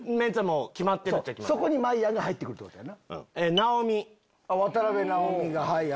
そこにまいやんが入って来るってことやな。